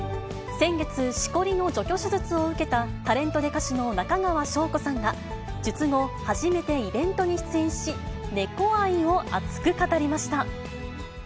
先月、しこりの除去手術を受けた、タレントで歌手の中川翔子さんが、術後、初めてイベントに出演し、猫愛を熱く語りました。